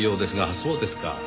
そうですか